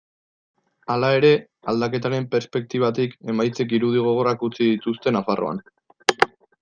Hala ere, aldaketaren perspektibatik, emaitzek irudi gogorrak utzi dituzte Nafarroan.